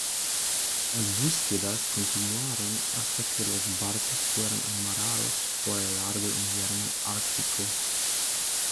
Las búsquedas continuaron hasta que los barcos fueron amarrados por el largo invierno ártico.